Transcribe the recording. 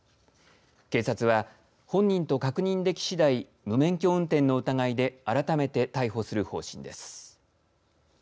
警察は、本人と確認できしだい無免許運転の疑いで改めて逮捕する方針です。